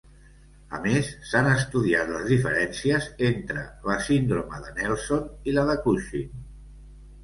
A més, s'han estudiat les diferències entre la síndrome de Nelson i la de Cushing.